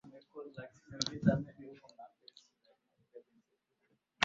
Sifa kwa Yesu Bwanangu,